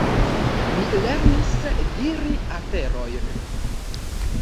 Mi lernis diri aferojn.